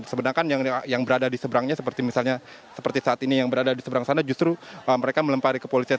sedangkan yang berada di seberangnya seperti misalnya seperti saat ini yang berada di seberang sana justru mereka melempari kepolisian